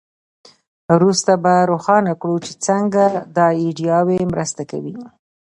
وروسته به روښانه کړو چې څنګه دا ایډیاوې مرسته کوي.